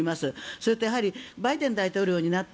それと、バイデン大統領になって